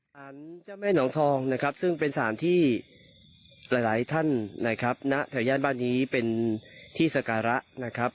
สารเจ้าแม่หนองทองซึ่งเป็นสารที่หลายท่านในแถวบ้านนี้สังการะ